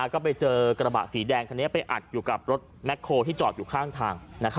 ก็ไปเจอกระบะสีแดงคันนี้ไปอัดอยู่กับรถแคลที่จอดอยู่ข้างทาง